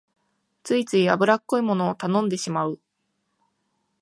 ついつい油っこいものを頼んでしまう